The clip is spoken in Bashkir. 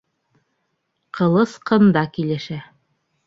Ҡылыс ҡында килешә.